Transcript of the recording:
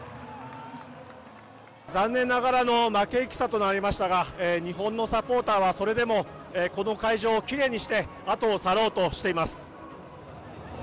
残念ながらの負け戦となりましたが日本のサポーターはそれでもこの会場をきれいにしてあとを去ろうとしています。